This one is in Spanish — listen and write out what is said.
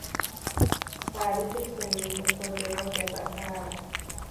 Para dicho experimento usó yeguas de raza árabe.